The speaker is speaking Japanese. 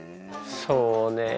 そうねえ。